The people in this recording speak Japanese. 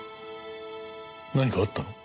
何かあったの？